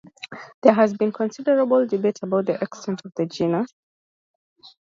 There has been considerable debate about the extent of the genus.